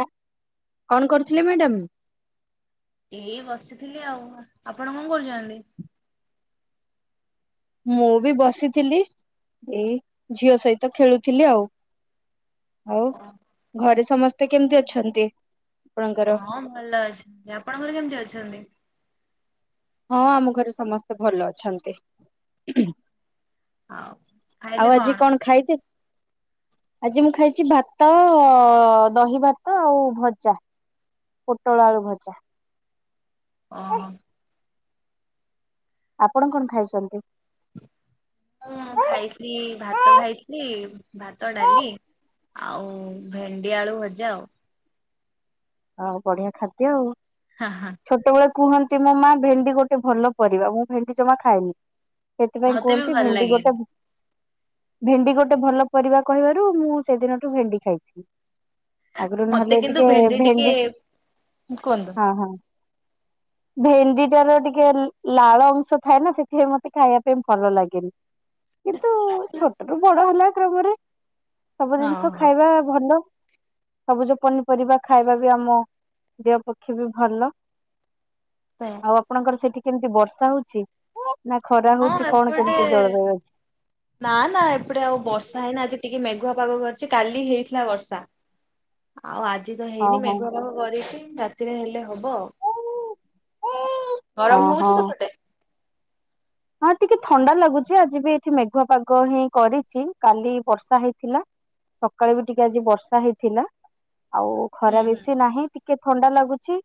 ଆ, କଣ କରୁଥିଲେ ମ୍ୟାଡାମ୍। ଏଇ ବସିଥିଲି ଆଉ ଆପଣ କଣ କରୁଚ଼ନ୍ତି? ମୁଁ ବି ବସିଥିଲି ଏଇ ଝିଅ ସହିତ ଖେଳୁଥିଲି ଆଉ। ଆଉ ଘରେ ସମସ୍ତେ କେମିତି ଅଛନ୍ତି? ଆପଣଙ୍କର? ହଁ ଭଲ ଅଛ ଆପଣଙ୍କର କେମିତି ଅଛନ୍ତି? ହଁ ଆମ ଘରେ ସମସ୍ତେ ଭଲ ଅଛନ୍ତି। ଆଉ ଆଉ ଆଜି କଣ ଖାଇତେ ଆଜି ମୁଁ ଖାଇଚି ଭାତ ଦହି ଭାତ ଆଉ ଭଜା। ପୋଟଳ ଆଳୁ ଭଜା। ଅଂ ହଁ। ଆପଣ କଣ ଖାଇଛନ୍ତି? ମୁଁ ଖାଇଥିଲି ଭାତ ଖାଇଥିଲି ଭାତ, ଡାଲି। ଆଉ ଭେଣ୍ଡି ଆଳୁ ଭଜା ଆଉ। ଆ ଉ ବଢିଆ ଖାଦ୍ୟ ଆଉ। ହା ହା। ଛୋଟବେଳେ କୁହନ୍ତି ମୋ ମା ଭେଣ୍ଡି ଗୋଟେ ଭଲ ପରିବା ମୁଁ ଭେଣ୍ଡି ଜମା ଖାଏନି। ସେଥିପାଇଁ ମତେ ବି କୁହନ୍ତି ଭଲ ଭେଣ୍ଡି ଲାଗେନି ଗୋଟେ ଭେଣ୍ଡି ଗୋଟେ ଭଲ ପରିବା କହିବାରୁ ମୁଁ ସେଦିନଠୁ ଭେଣ୍ଡି ଖାଇଛି ଆଗୁରୁ ମତେ ନହେଲେ କିନ୍ତୁ ଟିକିଏ। ଭେଣ୍ଡି କୁହନ୍ତୁ। ଅ ହଁ। ଭେଣ୍ଡି ଟା ର ଟିକିଏ ଲାଳ ଅଂଶ ଥାଏ ନା ସେଥିରେ ମତେ ଖାଇବା ପାଇଁ ଭଲ ଲାଗେନି। କିନ୍ତୁ ଛୋଟ ରୁ ବଡ ହେଲା କ୍ରମରେ। ସବୁ ହଁ ଜିନିଷ ହଁ ଖାଇବା ଭଲ ସବୁଜ ପନିପରିବା। ଖାଇବା ବି ଆମ ଦେହ ପକ୍ଷେ ବି ଭଲ। ପେଁ ଆଉ ଆପଣଙ୍କର ସେଠି କେମିତି ବର୍ଷା ହଉଛି ନା ଖରା ହଁ ହଉଛି କଣ ଏପଟେ କେମିତି ଜଳବାୟୁ ଅଛି। ନା ନା ଏପଟେ ଆଉ ବର୍ଷା ହେଇନା ଆଜି ଟିକିଏ ମେଘୁଆ ପାଗ କରିଛି କାଲି ହେଇଥିଲା ବର୍ଷା। ଆଉ ଆଜି ତ ହଁ ହେଇନି ହଁ। ମେଘୁଆ ପାଗ କରିଚି ରାତିରେ ହେଲେ ହବ। ହଁ ଗରମ ହଉଚି ହଁ। ସେପ ହଁ ଟିକେ ଥଣ୍ଡା ଲାଗୁଛି ଆଜି ବି ଏଠି ମେଘୁଆ ପାଗ ହିଁ କରିଛି କାଲି ବର୍ଷା ହେଇଥିଲା। ସକାଳୁ ବି ଟିକେ ଆଜି ବର୍ଷା ହେଇଥିଲା ଆଉ ହୁଁ ଖରା ହୁଁ ବେଶୀ ନାହିଁ ଟି କିଏ ଥଣ୍ଡା ଲାଗୁଚି।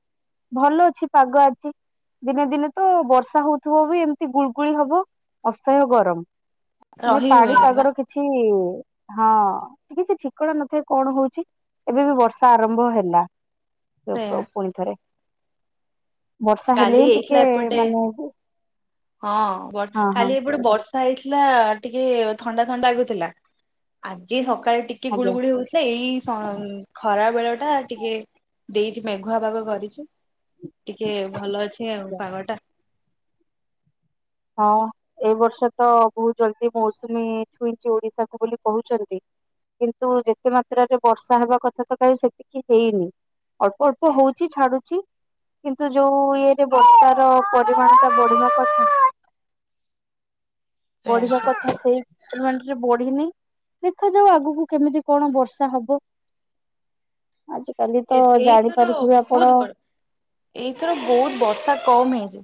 ଭଲ ଅଛି ପାଗ ଆଜି ଦିନେ ଦିନେ ତ ବର୍ଷା ହଉଥୁବ ବି ଏମିତି ଗୁଳ ଗୁଳି ହବ ଅସହ୍ୟ ଗରମ ମାନେ ରହି ପାଣି ହୁଏନି ବା ପାଗର କି ଛି ହଁ କି କିଛି ଠିକଣା ନଥାଏ କଣ ହଉଛି। ଏବେ ବି ବର୍ଷା ଆରମ୍ଭ ହେଲା। ଟପ୍ ସେଇଆ ଟପ୍ ପୁଣିଥରେ ବର୍ଷା ହେଲେ କାଲି ହିଁ ହେଇଥିଲା ଟିକିଏ ଏପଟେ ମାନେ। ହଁ ବ ହଁ କାଲି ଏପଟେ ବର୍ଷ ବର୍ଷା ହେଇଥିଲା ଟିକେ ଥଣ୍ଡା ଥଣ୍ଡା ଲାଗୁଥିଲା ଆଜି ସକାଳେ ଟିକେ ଆଜ୍ଞା ଗୁଳୁଗୁଳି ହଉଛି। ଏଇ ସ ଖରା ବେଳ ଟା ଟିକେ ଦେଇଛି ମେଘୁଆ ପାଗ କରିଛି। ଟିକେ ଭଲ ଅଛି ଆଉ ଆଜ୍ଞା। ପାଗ ଟା। ହଁ। ଏ ବର୍ଷ ତ ବହୁତ ଜଲ୍ଦି ମୌସୁମୀ ଛୁଇଁଛି ଓଡିଶାକୁ ବୋଲି କହୁଛନ୍ତି। କିନ୍ତୁ ଯେତେ ମାତ୍ରାରେ ବର୍ଷା ହେବା କଥା ତ କାଇଁ ସେତିକି ହେଇନି। ଅଳ୍ପ ଅଳ୍ପ ହଉଛି ଛାଡୁ ଛି କିନ୍ତୁ ଯୋଉ ଇଏରେ ବର୍ଷ ର ପରିମାଣ ଟା ବଢିବା କଥା ବଢିବା ସେଇଆ କଥା ସେଇ [unintelligible] ବଢିିନି। ଦେଖାଯାଉ ଆଗକୁ କେମିତି କଣ ବର୍ଷା ହବ। [inaudible] ଆଜି କାଲି ଏ ତ ଏଇଥର ଜାଣିପାରୁଥିବେ ଆପଣ। ବହୁତ ବଡ ଏଇଥର ବହୁତ ବର୍ଷା କମ୍ ହେଇଛି।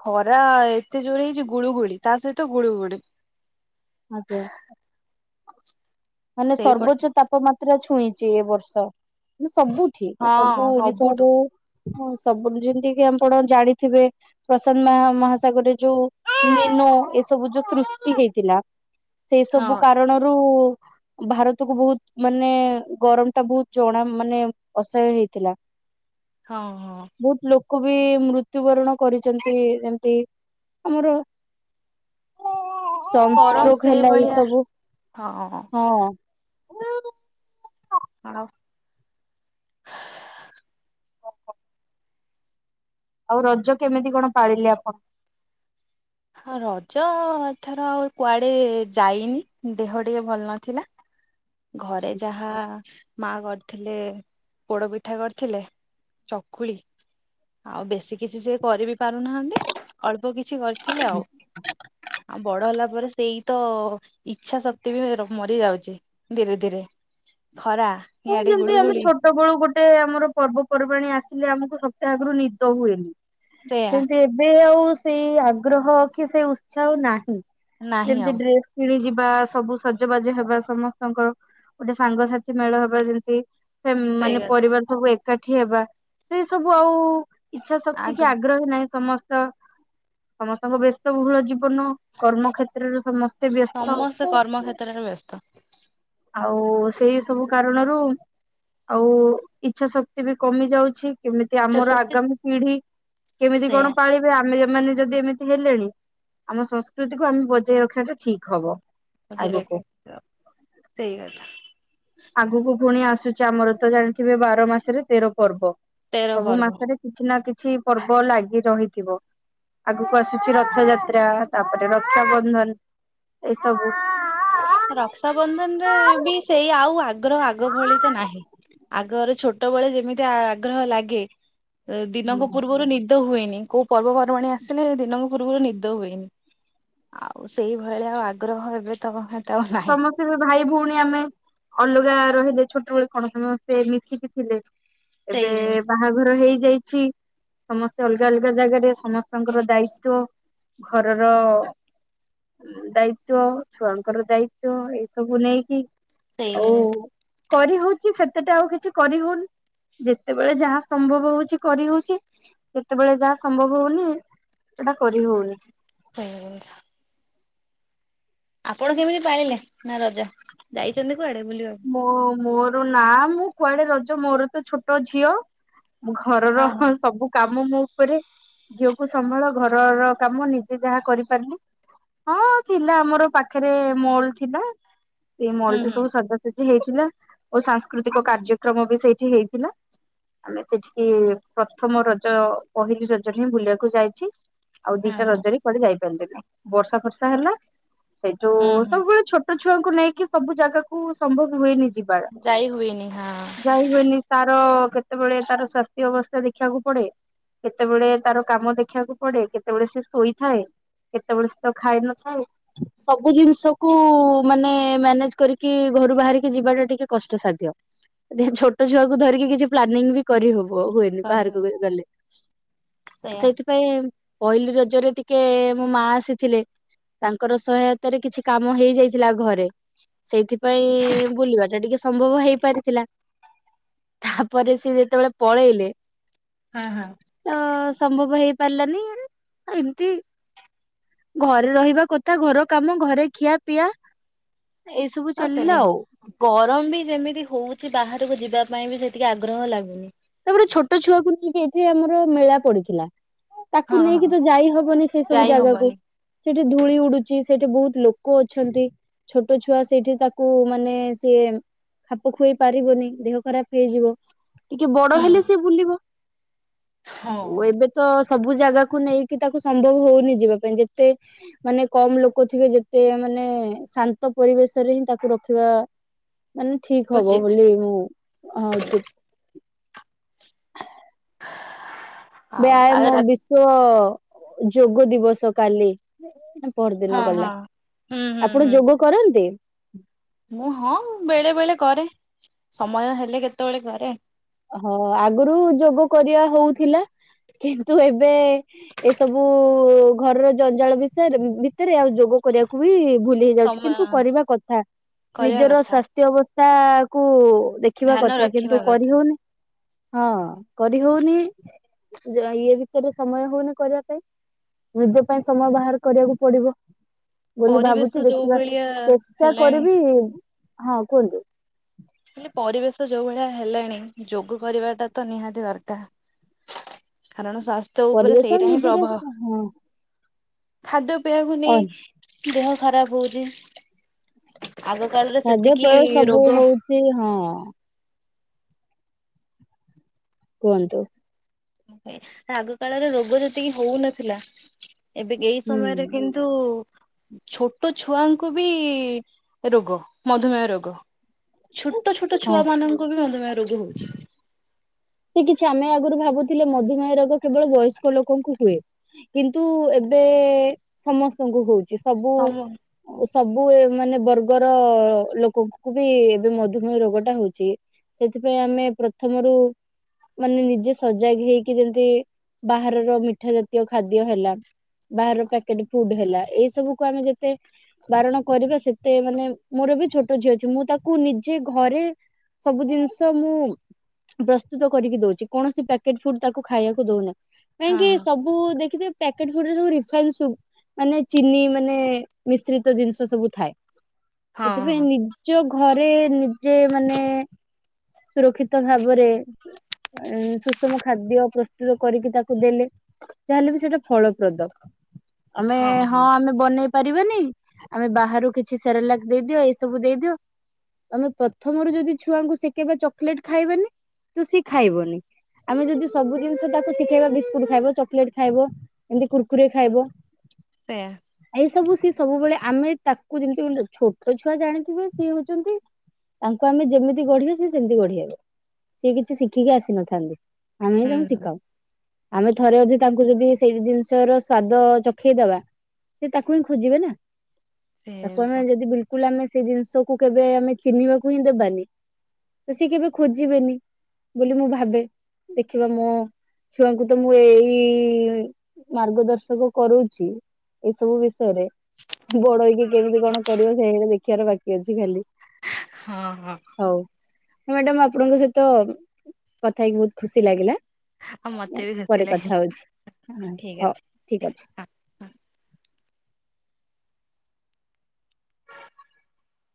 ଖରା ଏତେ ଜୋରେ ହେଇଛି ଗୁଳୁଗୁଳି ତା ସହିତ ଗୁଳୁଗୁଳି। ଆଜ୍ଞା। ମାନେ ସେଇପଟ ସର୍ବୋଚ୍ଚ ତାପମାତ୍ରା ଛୁଇଁଛି ଏ ବର୍ଷ ସବୁ ଠି ସବୁ ହଁ ସବୁଠୁ ଓଡିଶାରେ ହଁ ସବୁ ଯେମିତି କି ଆପଣ ଜାଣିଥିବେ ପ୍ରଶାନ୍ତ ମା ମହାସାଗରରେ ଯୋଉ ମେନୁ ଏସବୁ ଯୋଉ ସୃଷ୍ଟି ହେଇଥିଲା। ସେଇ ହଁ। ସବୁ କାରଣରୁ ଭାରତକୁୁ ବହୁତ। ମାନେ ଗରମ ଟା ବହୁତ ଜଣା ମାନେ ଅସହା୍ୟ ହେଇଥିଲା। ହଁ ହଁ। ବହୁତ ଲୋକ ବି ମୃତ୍ୟୁବରଣ କରିଛନ୍ତି ଯେମିତି ଆମର ସନ୍ ଗରମ ଷ୍ଟ୍ରୋକ୍ ହେଲା ଏ ସେଇଭଳିଆ ସବୁ ହଁ। ଆ ଡ। ଆଉ ରଜ କେମିତି କଣ ପାଳିଲେ ଆପଣ? ହଁ ରଜ ଏ ଥର ଆଉ କୁଆଡେ ଯାଇନି ଦେହ ଟିକେ ଭଲ ନଥିଲା। ଘରେ ଯାହା ମା କରିଥିଲେ ପୋଡ ପିଠା କରିଥିଲେ ଚକୁଳି। ଆଉ ବେଶୀ କିଛି ସେ କରି ବିି ପାରୁନାହାଁନ୍ତି ଅଳ୍ପ କିଛି କରିଥିଲେ ଆଉ। ଆଉ ବଡ ହେଲା ପରେ ସେଇ ତ ଇଚ୍ଛା ଶକ୍ତି ବି ର ମରି ଯାଉଚି। ଧିରେ ଧିରେ ଖରା ହଁ ଇଆଡେ ଯେମିତି ଆମେ ଗୁଳୁଗୁଳି ଛୋଟ ବେଳୁ ଗୋଟେ ଆମର ପର୍ବପର୍ବାଣି ଆସିଲେ ଆମକୁ ସପ୍ତାହ ଆଗରୁ ନିଦ ହୁଏନି। ସେଇଆ କିନ୍ତୁ ଏବେ ଆଉ ସେଇ ଆଗ୍ରହ କି ସେଇ ଉତ୍ସାହ ନାହିଁ। ନାହିଁ ଯେମିତି ଆଉ ଡ୍ରେ ମିଳି ଯିବା ସବୁ ସଜବାଜ ହେବା ସମସ୍ତଙ୍କର ଗୋଟେ ସାଙ୍ଗସାଥି ମେଳ ହବା ଯେମତି ହେମ୍ ସେଇ ମାନେ କଥା ପରିବାର ସବୁ ଏକାଠି ହେବା ସେଇ ସବୁ ଆଉ ଇଚ୍ଛା ଶକ୍ତି କି ଆଗ ଆଗ୍ରହୀ ନାହିଁ ସମ ସ୍ତ ସମସ୍ତଙ୍କ ବ୍ୟସ୍ତବହୁଳ ଜୀବନ କର୍ମକ୍ଷେତ୍ରରେ ସମ ସ୍ତେ ବ୍ୟସ୍ତ। ତାର ହେ ବ୍ୟସ୍ତ। ଆଉ ସେଇ ସବୁ କାରଣରୁ ଆଉ ଇଚ୍ଛା ଶକ୍ତି ବି କମି ଯାଉଛି। କେମିତି ଇଚ୍ଛା ଆମର ଶକ୍ତି ଆଗାମୀ ପିଢି କେମିତି ସେଇଆ କଣ ପାଳି ବେ ଆମେ ଏମାନେ ଯଦି ଏମିତି ହେଲେଣି ଆମ ସଂସ୍କୃତିକୁ ଆମେ ବଜାଇ ରଖିବାଟା ଠିକ୍ ହବ। ବଜାଇ ଆଗକୁ ରଖିବା ସେଇ କଥା। ଆଗକୁ ପୁଣି ଆସୁଛି ଆମର ତ ଜାଣିଥିବେ ବାର ମାସରେ ତେର ପର୍ବ। ତେର ସବୁ ପର୍ବ ମାସରେ କିଛି ନା କିଛି ପର୍ବ ଲାଗି ରହିଥିବ। ଆଗକୁ ଆସୁଚି ରଥଯାତ୍ରା ତାପରେ ରକ୍ଷାବନ୍ଧନ ଏଇ ସବୁ। ରକ୍ଷାବନ୍ଧନ ରେ ବି ସେଇ ଆଉ ଆଗ୍ରହ ଆଗ ଭଳି ତ ନାହିଁ। ଆଗରେ ଛୋଟ ଛୋଟବେଳେ ଯେମିତି ଆଗ୍ରହ ଲାଗେ ଦିନଙ୍କ ପୂର୍ବରୁ ନି ନିଦ ହୁଏନି କୋଉ ପର୍ବପର୍ବାଣି ଆସିଲେ ଦିନଙ୍କ ପୂର୍ବରୁ ନିଦ ହୁଏନି। ଆଉ ସେଇଭଳିଆ ଆଉ ଆଗ୍ରହ ଏବେ ତ [unintelligible] ସମ ତେବେ ଭାଇ ଭଉଣୀ ଆମେ ଅଲଗା ରହିଲେ ଛୋଟବେଳେ କଣ ସମସ୍ତେ ମିଶିକି ଥିଲେ। ସେଇ ଏବେ ବାହାଘର ହେଇଯାଇଛି ସମସ୍ତେ ଅଲଗା ଅଲଗା ଜାଗାରେ ସମସ୍ତଙ୍କର ଦାୟିତ୍ୱ। ଘରର ଦାୟିତ୍ଵ ଛୁଆଙ୍କର ଦାୟି ତ୍ବ ଏସବୁ ନେଇକି ସେଇ କରିହଉଚି ସେତେଟା ଆଉ କିଛି କରି ହଉନି। ଯେତେବେଳେ ଯାହା ସମ୍ଭବ ହଉଚି କରି ହଉଚି ଯେତେବେଳେ ଯାହା ସମ୍ଭବ ହଉନି ସେଟା କରି ହଉନି। [unintelligible] ଆପଣ କେମିତି ପାଳିଲେ ନା ରଜା ଯାଇଚନ୍ତି କୁଆଡେ ବୁଲିବାକୁ? ମୋ ମୋର ନାଁ ମୁଁ କୁଆଡେ ରଜ ମୋର ତ ଛୋଟ ଝିଅ ମୁଁ ଘରର ହଁ ସବୁ କାମ ମୁଁ ପରେ ଝିଅକୁ ସମ୍ଭାଳ ଘରର କାମ ନିଜେ ଯାହା କରିପାରିଲି। ହଁ ଥିଲା ଆମର ପାଖରେ ମଲ ଥିଲା ସେ ହୁଁ ମଲଠି ହୁଁ ସବୁ [unintelligible] ସେଠି ହେଇଥିଲା ଓ ସାଂସ୍କୃତିକ କାର୍ଯ୍ୟକ୍ରମ ବି ସେଇଠି ହେଇଥିଲା। ଆମେ ସେଠିକି ପ୍ରଥମ ରଜ ପହିଲି ରଜରେ ହିଁ ବୁଲିଆକୁ ଯାଇଚି। ଆଉ ହଁ ଦିଟା ହଁ ରଜରେ କୁଆଡେ ଯାଇ ପାରିଲିନି ବର୍ଷା ଫର୍ଷା ହେଲା ସେଇଠୁ ହୁଁ ହୁଁ ସବୁବେଳେ ଛୋ ଟ ଛୁଆଙ୍କୁ ନେଇକି ସବୁ ଜାଗାକୁ ସମ୍ଭବ ହୁଏନି ଯିବାର ଯାଇ ହୁଏନି ହଁ ଯାଇ ହୁଏନି। ତାର କେତେବେଳେ ତାର ସ୍ଵାସ୍ଥ୍ୟ ଅବସ୍ଥା ଦେଖିଆକୁ ପଡେ। କେତେବେଳେ ତାର କାମ ଦେଖିବାକୁ ପଡେ କେତେବେଳେ ସେ ଶୋଇଥାଏ। କେତେବେଳେ ସେ ତ ଖାଇନ ଥାଏ। ସବୁ ଜିନିଷ କୁ ମାନେ ମ୍ୟାନେଜ କରିକି ଘରୁ ବାହାରିକି ଯିବାଟା ଟିକେ କଷ୍ଟସାଧ୍ୟ। ଧେ ଛୋଟ ଛୁଆକୁ ଧରିକି କିଛି ପ୍ଲାନିଂ ବି କରିହବ ହୁଏ। ବାହାରକୁ କରିହୁଏନି ଗଲେ କାଲି ସେଇଆ ସେଇଥିପାଇଁ ପହିଲି ରଜରେ ଟିକେ ମୋ ମା ଆସିଥିଲେ। ତାଙ୍କର ସହାୟତାରେ କିଛି କାମ ହେଇ ଯାଇଥିଲା ଘରେ। ସେଇଥି ପାଇଁ ବୁଲିବା ଟା ଟିକେ ସମ୍ଭବ ହେଇ ପାରିଥିଲା। ତାପରେ ସେ ଯେତେବେଳେ ପଳେଇଲେ ହଁ -ହଁ। ତ ସମ୍ଭବ ହେଇ ପାରିଲାନି ଉଁ ଏମିତି ଘରେ ରହିବା କଥା ଘର କାମ ଘରେ ଖିଆ ପିଆ ଏଇ ସବୁ ଅ ଚାଲିଲା ସେଦିନ୍ ଆଉ ଗରମ ବି ଯେମିତି ହଉଚି ବାହାରକୁ ଯିବା ପାଇଁ ବି ସେତିକି ଆଗ୍ରହ ଲାଗୁନି। ତାପରେ ଛୋଟ ଛୁଆକୁ ନେଇକି ଏଠି ଆମର ମେଳା ପଡିଥିଲା ତାକୁ ନେଇକି ତ ଯାଇ ହବନି ସେଇ ସବୁ ଯାଇ ଜାଗାକୁ। ହବନି ସେଠି ଧୂଳି ଉଡୁଚି ସେଠି ବହୁତ୍ ଲୋକ ଅଛନ୍ତି ଛୋ ଛୋଟ ଛୁଆ ସେଇଠି ତାକୁ ମାନେ ସିଏ ଖାପ ଖୁଆଇ ପାରିବନି ଦେହ ଖରାପ ହେଇଯିବ। ଟିକେ ବଡ ହେଲେ ସିଏ ବୁଲିବ ହୁଁ ଏବେ ତ ସବୁ ଜାଗାକୁ ନେଇକି ତାକୁ ସମ୍ଭବ ହଉନି ଯିବା ପାଇଁ ଯେତେ ମାନେ କମ୍ ଲୋକ ଥିବେ ଯେତେ ମାନେ ଶାନ୍ତ ପରିବେଶରେ ହିଁ ତାକୁ ରଖିବା ମାନେ ଠିକ୍ ହବ ଉଚିତ ବୋଲି ମୁଁ ହଁ ଉଚିତ। ଆଉ ଆଉ ବ୍ୟାୟାମ ରା ବିଶ୍ଵ ଯୋଗ ଦିବସ କାଲି। ପରଦିନ ହଁ ଗଲା ହଁ ହୁଁ ହୁଁ ଆପଣ ହୁଁ। ଯୋଗ କରନ୍ତି? ମୁଁ ହଁ ବେଳେ ବେଳେ କରେ ସମୟ ହେଲେ କେତେବଳେ କରେ। ହଁ ଆଗରୁ ଯୋଗ କରିବା ହଉଥିଲା କିନ୍ତୁ ଏବେ ଏସବୁ ଘରର ଜଞ୍ଜାଳ ବିଷୟରେ ଭିତରେ ଆଉ ଯୋଗ କରିବାକୁ ବି ଭୁଲି ହେଇଯାଉଚି ସମୟ କିନ୍ତୁ କରିବା କଥା କରିବା ନିଜର କଥା ସ୍ୱାସ୍ଥ୍ୟ ଅବସ୍ଥା କୁ ଦେ ଖିବା ଧ୍ୟାନ କଥା ରଖିବା କିନ୍ତୁ କଥା କରିହଉନି। ହଁ କରି ହଉନି ଯା ଇଏ ଭିତରେ ସମୟ ହଉନି କରିବା ପାଇଁ। ନିଜ ପାଇଁ ସମୟ ବାହାର କରିବାକୁ ପଡିବ। ବୋଲି ପରିବେଶ ଭାବୁଚି ଯୋଉ ଦେଖିବା ଭଳିଆ ଚେଷ୍ଟା ହେଲାଣି କରିବି ହଁ କୁହନ୍ତୁ। ହେଲେ ପରିବେଶ ଯଉ ଭଳିଆ ହେଲାଣି ଯୋଗ କରିବାଟା ତ ନିହାତି ଦରକା କାରଣ ସ୍ୱାସ୍ଥ୍ୟ ଉପରେ ପରିବେଶ ସେଇଟା ହିଁ ନିଜର ପ୍ରଭାବ। ସ- ହଁ ଖାଦ୍ୟପେୟ କୁ ଅନ୍ ନେଇ ଦେହ ଖରାପ ହଉଚି। ଆଗକାଳରେ ସେତିକି ରୋଗ ସେ ହଁ। କୁହନ୍ତୁ। ଆଗ କାଳରେ ରୋଗ ଯେତିକି ହଉନଥିଲା ଏବେ ଏଇ ହୁଁ ସମୟରେ କିନ୍ତ୍ ତୁ। ଛୋଟ ଛୁଆଙ୍କୁ ବି ରୋଗ ମଧୁମେହ ରୋଗ। ଛୋଟ ଛୋଟ ହଁ ଛୁଆ ମାନଙ୍କୁ ବି ମଧୁମେହ ରୋଗ ହଉଚି। ସେ କିଛି ଆମେ ଆଗରୁ ଭାବୁଥିଲେ ମଧୁମେହ ରୋଗ କେବଳ ବୟସ୍କ ଲୋକଙ୍କୁ ହୁଏ। କିନ୍ତୁ ଏବେ ସମସ୍ତଙ୍କୁ ହଉଚି ସବୁ ସମ ସବୁ ମାନେ ବର୍ଗର ଲୋକଙ୍କୁ ବି ଏବେ ମଧୁମେହ ରୋଗ ଟା ହଉଚି। ସେଥିପାଇଁ ଆମେ ପ୍ରଥମରୁ ମାନେ ନିଜେ ସଜାଗ ହେଇକି ଯେମତି ବାହାରର ମିଠା ଜାତୀୟ ଖାଦ୍ୟ ହେଲା ବାହାର ର ପ୍ୟାକେଟ୍ ଫୁଡ୍ ହେଲା ଏଇ ସବୁକୁ ଆମେ ଯେତେ ବାରଣ କରିବା ସେତେ ମାନେ ମୋର ବି ଛୋଟ ଝିଅ ଅଛି ମୁଁ ତାକୁ ନିଜେ ଘରେ ସବୁ ଜିନିଷ ମୁଁ ପ୍ରସ୍ତୁତ କରିକି ଦଉଚି କୌଣସି ପ୍ୟାକେଟ୍ ଫୁଡ୍ ତାକୁ ଖାଇବାକୁ ଦଉନି ହଁ କାହିଁକି ସବୁ ସବୁ ଦେଖିଥିବେ ପ୍ୟାକେଟ୍ ଫୁଡ୍ ରେ ସବୁ ରିଫାଇନ୍ ସୁ ମାନେ ଚିନି ମାନେ ମିଶ୍ରିତ ଜିନିଷ ସବୁ ଥାଏ। ହଁ ହଁ ସେଥିପାଇଁ ହଁ ନିଜ ଘରେ ନିଜେ ମାନେ ସୁରକ୍ଷିତ ଭାବରେ ସୁଷମ ଖାଦ୍ୟ ପ୍ରସ୍ତୁତ କରିକି ତାକୁ ଦେଲେ ଯାହାଲେ ବି ସେଟା ଫଳପ୍ରଦ ଆମେ ହଁ ଆମେ ବନେଇ ପାରିବାନି ଆମେ ବାହାରୁ କିଛି ସେରଲାକ୍ ଦେଇଦିଅ ଏସବୁ ଦେଇଦିଅ ତମେ ପ୍ରଥମରୁ ଯଦି ଛୁଆଙ୍କୁ ଶିକେଇବା ଚକୋଲେଟ ଖାଇବନି ତ ସିଏ ଖାଇବନି। ଆମେ ଯଦି ସବୁ ଜିନିଷ ତାକୁ ଶିଖେଇବା ବିସ୍କୁଟ ଖାଇବ ଚକୋଲେଟ ଖାଇବ ଏମିତି କୁର୍କୁରି ଖାଇବ। ସେୟା। ଏଇ ସବୁ ସି ସବୁବେଳେ ଆମେ ତାକୁ ଯେମିତି ଛୋଟ ଛୁଆ ଜାଣିଥିବେ ସିଏ ହଉଛନ୍ତି ତାଙ୍କୁ ଆମେ ଯେମିତି ଗଢିବା ସେ ସେମିତି ଗଢିଥାଉ ସିଏ କିଛି ଶିଖିକି ଆସି ନଥାନ୍ତି ଆମେ ହିଁ ହୁଁ ତାଙ୍କୁ ହୁଁ ଶିଖାଉ। ଆମେ ଥରେ ଅଧି ତାଙ୍କୁ ଯଦି ସେଇ ଜିନିଷ ର ସ୍ଵାଦ ଚଖେଇଦବା ସେ ତାକୁ ହିଁ ଖୋଜିବେ ନା। ସେ ତାକୁ ଆମେ ଜିନିଷ ଯଦି ବିଲକୁଲ ଆମେ ସେଇ ଜିନିଷକୁ କେବେ ଆମେ ଚିହ୍ନିବାକୁ ହିଁ ଦେବାନି ତ ସିଏ କେବେ ଖୋଜିବେନି ବୋଲି ମୁଁ ଭାବେ ଦେଖିବା ମୋ ଛୁଆଙ୍କୁ ତ ମୁଁ ଏଇ ମାର୍ଗଦର୍ଶକ କରଉଛି। ଏ ସବୁ ବିଷୟରେ। ବଡ ହେକି କେମିତି କଣ କରିବା ସେଇ ଦେଖିବାର ବାକି ଅଛି ଖାଲି। ହଁ ହଁ। ହଉ ମ୍ୟାଡାମ ଆପଣଙ୍କ ସହିତ କଥା ହେଇକି ବହୁତ ଖୁସି ଲାଗିଲା। ଆଉ ମତେ ବି ଖୁସି ପରେ କଥା ଲାଗିଲା ହଉଛି ଠିକ ହଉ ଅଛି ଠିକ୍ ଠିକ ଅଛି। ହଁ।